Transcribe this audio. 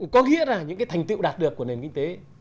có nghĩa là những cái thành tiệu đạt được của nền kinh tế